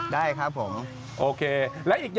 ได้ครับผม